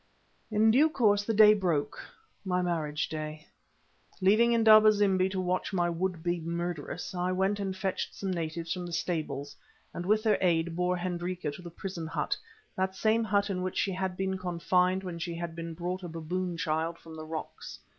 In due course the day broke—my marriage day. Leaving Indaba zimbi to watch my would be murderess, I went and fetched some natives from the stables, and with their aid bore Hendrika to the prison hut—that same hut in which she had been confined when she had been brought a baboon child from the rocks.